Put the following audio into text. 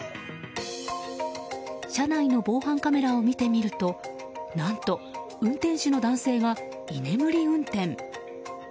車内の防犯カメラを見てみると何と、運転手の男性が居眠り運転。